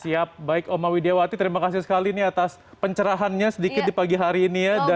siap baik oma widiawati terima kasih sekali nih atas pencerahannya sedikit di pagi hari ini ya